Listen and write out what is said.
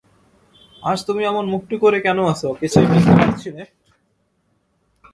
আজ তুমি অমন মুখটি করে কেন আছ কিছুই বুঝতে পারছি নে।